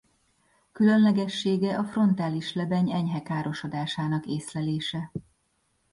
Különlegessége a frontális lebeny enyhe károsodásának észlelése.